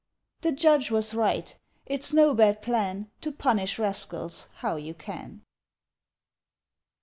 The judge was right; it's no bad plan, To punish rascals how you can.